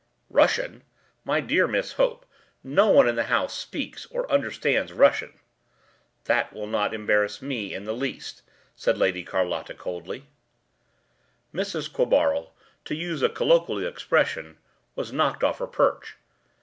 ” “Russian? My dear Miss Hope, no one in the house speaks or understands Russian.” “That will not embarrass me in the least,” said Lady Carlotta coldly. Mrs. Quabarl, to use a colloquial expression, was knocked off her perch.